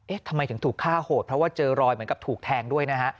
ทำไมถึงถูกฆ่าโหดเพราะว่าเจอรอยเหมือนกับถูกแทงด้วยนะฮะ